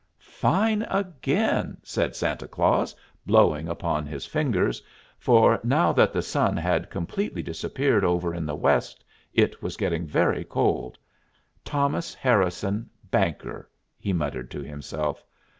'" "Fine again!" said Santa Claus, blowing upon his fingers, for, now that the sun had completely disappeared over in the west, it was getting very cold. "Thomas Harrison, banker," he muttered to himself.